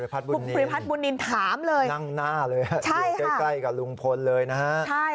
ภูริพัฒน์บุญนินนั่งหน้าเลยเดี๋ยวใกล้กับลุงพลเลยนะฮะใช่ค่ะ